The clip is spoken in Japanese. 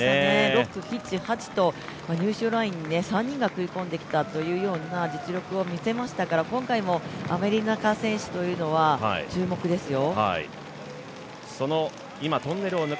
６、７、８と入賞ラインに３人が食い込んできたという実力を見せましたから今回もアメリカ選手というのは注目ですよ。